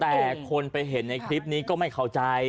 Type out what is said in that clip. แต่คนไปเห็นในคลิปนี้ก็ไม่เข้าใจ